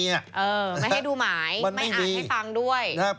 ไม่ให้ดูหมายไม่อ่านให้ฟังด้วย